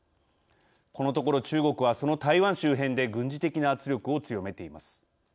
このところ中国はその台湾周辺で軍事的な圧力を強めています。